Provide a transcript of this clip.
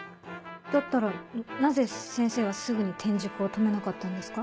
だったらなぜ先生はすぐに転塾を止めなかったんですか？